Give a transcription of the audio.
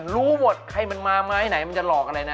รู้หมดใครมันมาไม้ไหนมันจะหลอกอะไรนะ